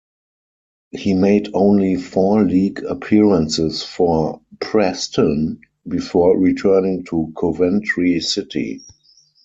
He made only four league appearances for Preston before returning to Coventry City.